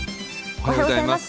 おはようございます。